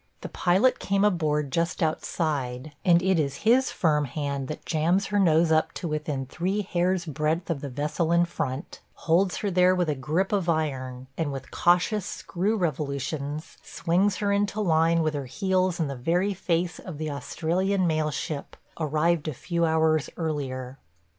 The pilot came aboard just outside, and it is his firm hand that jams her nose up to within three hairs' breadth of the vessel in front, holds her there with a grip of iron, and with cautious screw revolutions swings her into line with her heels in the very face of the Australian mail ship – arrived a few hours earlier.